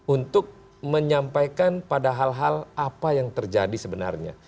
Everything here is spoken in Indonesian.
untuk menyampaikan pada hal hal apa yang terjadi sebenarnya